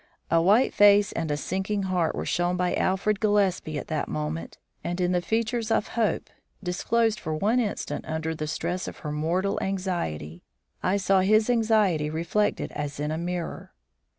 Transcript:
A white face and a sinking heart were shown by Alfred Gillespie at that moment; and in the features of Hope, disclosed for one instant under the stress of her mortal anxiety, I saw his anxiety reflected as in a mirror.